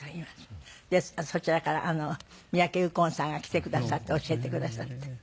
そちらから三宅右近さんが来てくださって教えてくださって。